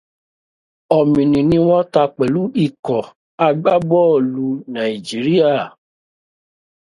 Ọ̀mì ni wọ́n ta pẹ̀lú ikọ̀ agbábọ́ọ̀lù Nàíjíríà.